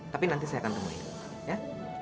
tapi nanti saya akan temuin ya